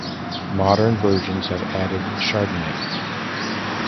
Modern versions have added Chardonnay.